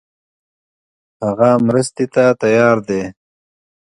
هغه مرستې ته تیار دی.